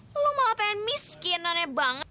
lo malah pengen miskin aneh banget